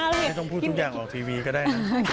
ไม่ต้องพูดทุกอย่างออกทีวีก็ได้นะ